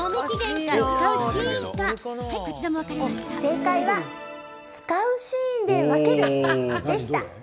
正解は使うシーンで分ける、でした。